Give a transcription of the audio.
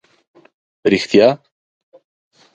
رېښتیا؟!